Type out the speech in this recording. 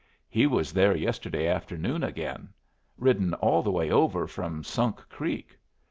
"He was there yesterday afternoon again. Ridden all the way over from Sunk Creek.